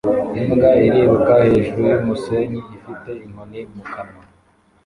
imbwa iriruka hejuru yumusenyi ifite inkoni mu kanwa